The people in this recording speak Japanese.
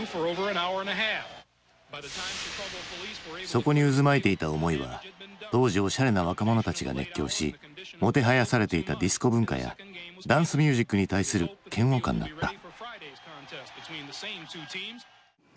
そこに渦巻いていた思いは当時おしゃれな若者たちが熱狂しもてはやされていたディスコ文化やダンスミュージックに対する嫌悪感だった。